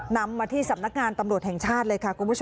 นำมาที่สำนักงานตำรวจแห่งชาติเลยค่ะ